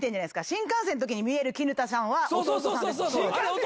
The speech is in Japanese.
新幹線のときに見えるきぬたさん弟？